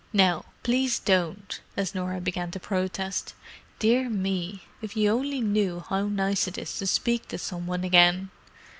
Now, please don't—" as Norah began to protest. "Dear me, if you only knew how nice it is to speak to some one again!"